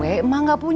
mak emang ke rumah